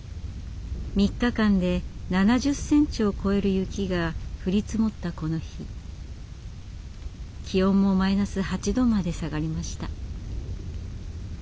３日間で７０ｃｍを超える雪が降り積もったこの日気温もマイナス８℃まで下がりました。